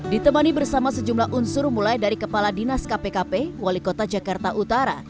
ditemani bersama sejumlah unsur mulai dari kepala dinas kpkp wali kota jakarta utara